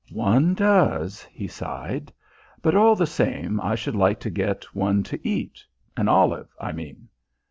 "One does," he sighed. "But all the same I should like to get one to eat an olive, I mean."